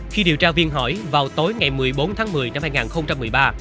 khi điều tra viên hỏi vào tối ngày một mươi bốn tháng một mươi năm hai nghìn một mươi ba